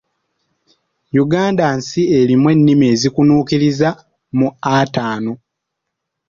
Uganda nsi erimu ennimi ezikunukkiriza mu ataano.